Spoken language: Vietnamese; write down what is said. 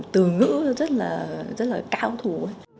từ ngữ rất là cao thủ